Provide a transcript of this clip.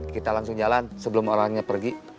kita langsung jalan sebelum orangnya pergi